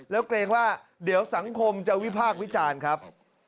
แล้วเกรงว่าเดี๋ยวสังคมจะวิพากษ์วิจารณ์ครับ